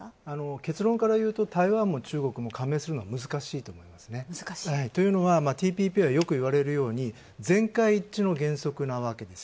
結論から言うと、台湾も中国も加盟するのは難しいということですというのは、ＴＰＰはよくいわれるように全会一致の原則です。